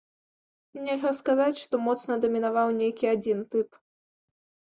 Нельга сказаць, што моцна дамінаваў нейкі адзін тып.